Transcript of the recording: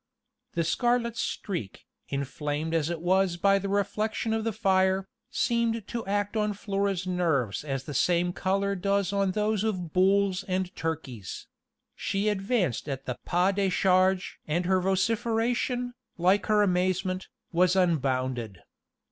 _ The scarlet streak, inflamed as it was by the reflection of the fire, seemed to act on Flora's nerves as the same color does on those of bulls and turkeys; she advanced at the pas de charge, and her vociferation, like her amazement, was unbounded.